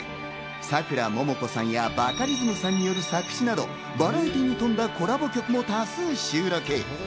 さくらももこさんや、バカリズムさんによる作詞など、バラエティーに富んだコラボ曲なども多数収録。